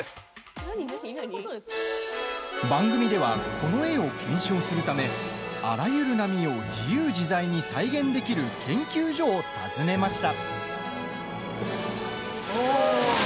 番組ではこの絵を検証するためあらゆる波を自由自在に再現できる研究所を訪ねました。